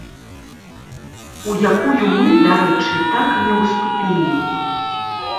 У якую мы, дарэчы, так і не ўступілі.